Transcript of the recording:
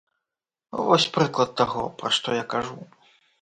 Вось прыклад таго, пра што я кажу.